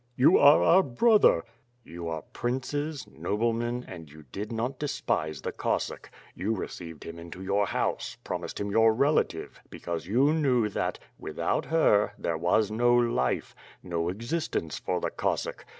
"You are our brother," added Simeon. "You are princes, noblemen, and you did not despise the Cossack. You received him into your house; promised him your relative, because you knew that, without her there wafi no life, no existence for the Cossack.